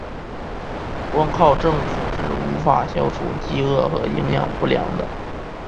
光靠政府是无法消除饥饿和营养不良的。